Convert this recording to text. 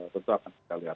tentu akan kita lihat